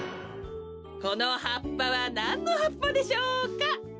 このはっぱはなんのはっぱでしょうか？